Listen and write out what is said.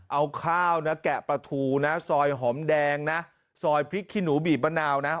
เอาข้าวนะแกะปลาทูนะซอยหอมแดงนะซอยพริกขี้หนูบีบมะนาวนะ